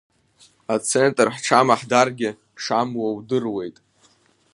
Ацентр ҳҽамаҳдаргьы шамуа удыруеит.